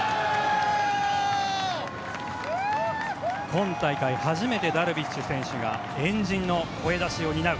今大会初めてダルビッシュ選手が円陣の声出しを担う。